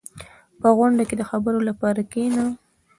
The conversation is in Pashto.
• په غونډه کې د خبرو لپاره کښېنه.